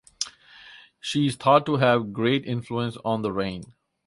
She is thought to have great influence on the rain.